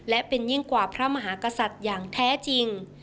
และเป็นยิ่งกว่าพระมหากษัตริย์อย่างแท้จริง